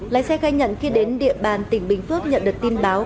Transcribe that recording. lái xe gai nhận khi đến địa bàn tỉnh bình phước nhận được tin báo